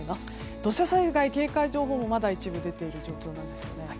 土砂災害警戒情報もまだ一部で出ている状況です。